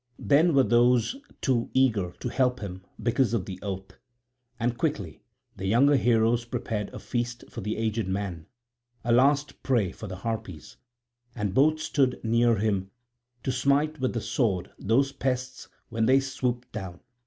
Then were those two eager to help him because of the oath. And quickly the younger heroes prepared a feast for the aged man, a last prey for the Harpies; and both stood near him, to smite with the sword those pests when they swooped down.